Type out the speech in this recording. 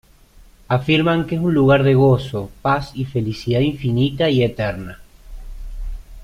Afirman que es un lugar de gozo, paz y felicidad infinita y eterna.